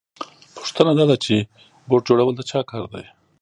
پوښتنه دا ده چې بوټ جوړول د چا کار دی